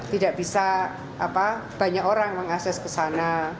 tidak bisa banyak orang mengakses ke sana